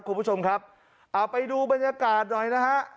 คุณผู้ชมครับเอาไปดูบรรยากาศหน่อยนะฮะ